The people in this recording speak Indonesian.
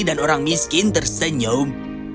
dan orang miskin tersenyum